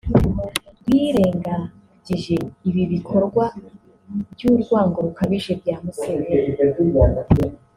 rwirengagije ibi bikorwa bw’urwango rukabije bya Museveni